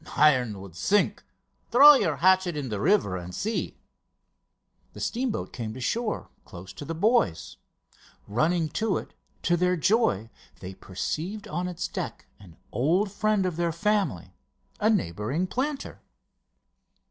"Iron would sink. Throw your hatchet in the river and see." The steam boat came to shore, close to the boys. Running to it, to their joy, they perceived on its deck an old friend of their family, a neighbouring planter.